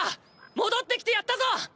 戻って来てやったぞ！